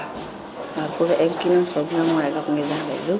cô dạy em kỹ năng số năm này gặp người già phải giúp